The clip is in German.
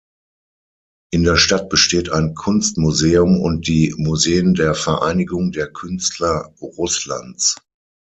In der Stadt besteht ein Kunstmuseum und die Museen der Vereinigung der Künstler Russlands.